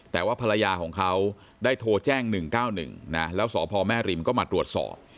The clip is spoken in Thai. แต่ว่าภรรยาของเขาได้โทรแจ้ง๑๙๑นะแล้วสพแม่ริมก็มาตรวจสอบ